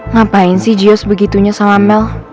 ngapain sih jios begitunya sama mel